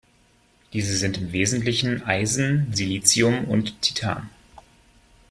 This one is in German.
Diese sind im Wesentlichen Eisen, Silicium und Titan.